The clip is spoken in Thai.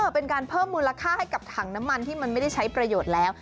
เป็นการเพิ่มมูลค่าให้กับถังน้ำมันที่มันไม่ได้ใช้ประโยชน์แล้ว